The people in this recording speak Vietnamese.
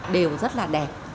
đều rất là đẹp